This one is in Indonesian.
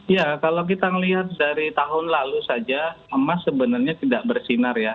ya kalau kita melihat dari tahun lalu saja emas sebenarnya tidak bersinar ya